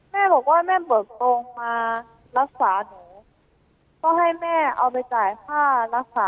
แม่บอกว่าแม่เบิกตรงมารักษาหนูก็ให้แม่เอาไปจ่ายค่ารักษา